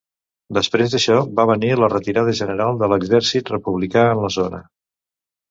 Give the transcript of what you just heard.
Després d'això va venir la retirada general de l'exèrcit republicà en la zona.